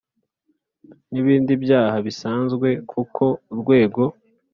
cy ibindi byaha bisanzwe kuko Urwego